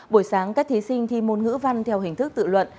buổi sáng các thí sinh thi môn ngữ văn theo hình thức tự luận